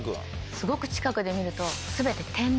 すごく近くで見ると全て点。